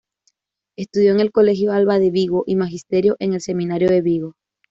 Estudió en el Colegio Alba de Vigo y Magisterio en el Seminario de Vigo.